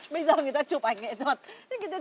bây giờ người ta chụp ảnh nghệ thuật